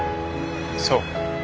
そう？